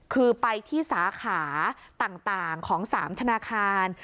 คือไปที่สาขาต่างของ๓ธนาคาร